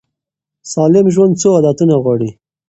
سالم ژوند څو عادتونه غواړي.